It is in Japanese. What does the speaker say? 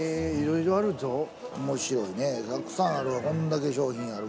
面白いねたくさんあるこんだけ商品あるから。